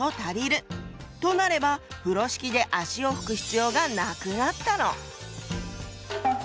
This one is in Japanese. となれば風呂敷で足を拭く必要がなくなったの。